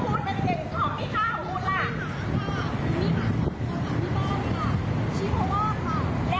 ก็ไม่มีคนเข้ามาไม่มีคนเข้ามา